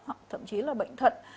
hoặc thậm chí là bệnh thật